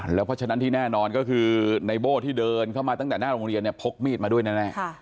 แล้วเพราะฉะนั้นที่แน่นอนก็คือในโบ้ที่เดินเข้ามาตั้งแต่หน้าโรงเรียนเนี่ยพกมีดมาด้วยแน่